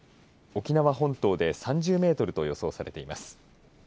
沖縄本島で３０メートルと予想されています。